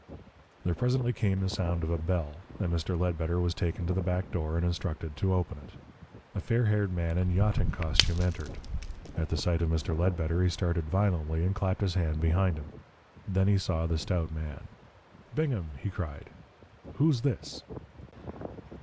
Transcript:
There presently came the sound of a bell, and Mr. Ledbetter was taken to the back door and instructed to open it. A fair haired man in yachting costume entered. At the sight of Mr. Ledbetter he started violently and clapped his hand behind him. Then he saw the stout man. "Bingham!" he cried, "who's this?"